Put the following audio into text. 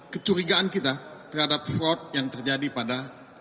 kecurigaan kita terhadap fraud yang terjadi pada